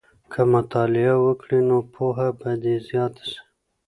که مطالعه وکړې نو پوهه به دې زیاته سي.